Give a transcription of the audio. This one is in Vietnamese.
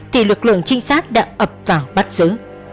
thì lực lượng trinh sát đã ập vào bắt giữ